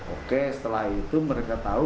oke setelah itu mereka tahu